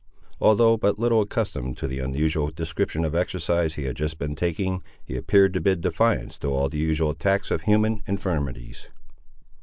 Although but little accustomed to the unusual description of exercise he had just been taking, he appeared to bid defiance to all the usual attacks of human infirmities.